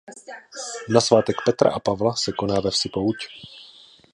Na svátek Petra a Pavla se koná ve vsi pouť.